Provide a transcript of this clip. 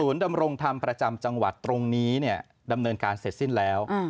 ดำรงธรรมประจำจังหวัดตรงนี้เนี่ยดำเนินการเสร็จสิ้นแล้ว